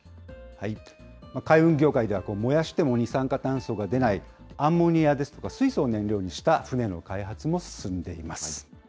海運業界では燃やしても二酸化炭素が出ないアンモニアですとか水素を燃料にした船の開発も進んでいます。